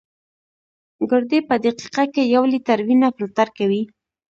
ګردې په دقیقه کې یو لیټر وینه فلټر کوي.